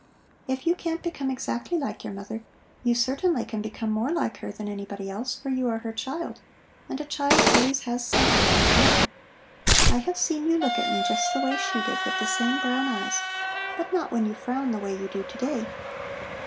If you can't become exactly like your mother, you certainly can become more like her than anybody else, for you are her child, and a child always has something from her mother. I have seen you look at me just the way she did, with the same brown eyes; but not when you frown the way you do to day.